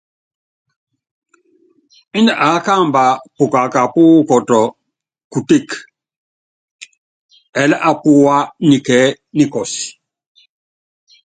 Índɛ aá kamba pukaká púkukɔtɔ kuteke, ɛɛli apúwá nikɛɛ́ nikɔs.